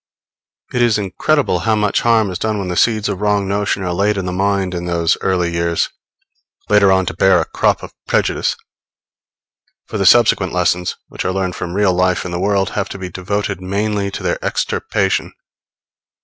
It is incredible how much harm is done when the seeds of wrong notions are laid in the mind in those early years, later on to bear a crop of prejudice; for the subsequent lessons, which are learned from real life in the world have to be devoted mainly to their extirpation.